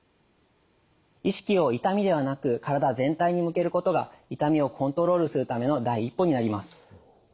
意識を「痛み」ではなく「からだ全体」に向けることが痛みをコントロールするための第一歩になります。